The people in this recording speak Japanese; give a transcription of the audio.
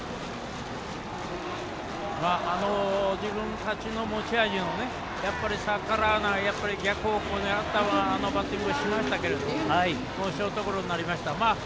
自分たちの持ち味に逆らわない逆方向を狙ったバッティングをしましたけどショートゴロになりました。